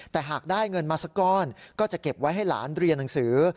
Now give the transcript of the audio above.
แต่หากได้เงินมาสักก้อนก็จะเก็บไว้ให้หลานเรียนหนังสือ